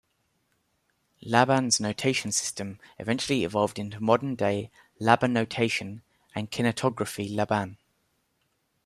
Laban's notation system eventually evolved into modern-day Labanotation and Kinetography Laban.